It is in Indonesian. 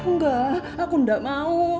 nggak aku nggak mau